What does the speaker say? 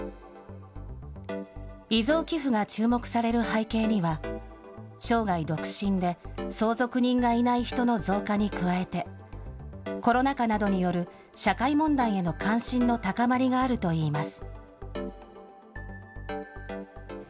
遺贈寄付が注目される背景には、生涯独身で、相続人がいない人の増加に加えて、コロナ禍などによる、社会問題への関心の高まりがあるといいます。